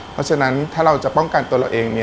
เพราะฉะนั้นถ้าเราจะป้องกันตัวเราเอง